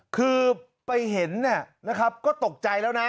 คือไปเห็นเนี่ยนะครับก็ตกใจแล้วนะ